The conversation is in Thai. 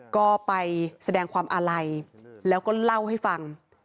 ก็ไปแสดงความอาลัยแล้วก็เล่าให้ฟัง